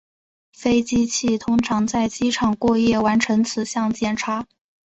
飞行器通常在机场过夜完成此项检查。